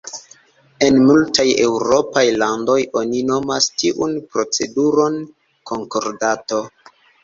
En multaj eŭropaj landoj oni nomas tiun proceduron konkordato.